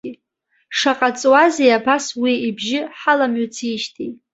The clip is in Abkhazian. Шаҟа ҵуазеи абас уи ибжьы ҳаламҩыцижьҭеи!